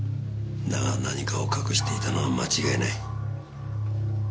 だが何かを隠していたのは間違いない。